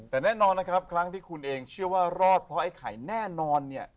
แต่แน่นอนนะครับครั้งที่คุณเองเชื่อว่ารอดเพราะไอ้ไข่แน่นอนเนี่ย